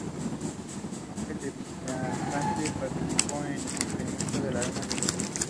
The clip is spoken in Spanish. Ángel de Villafañe participó en la expedición de Luna desde el principio.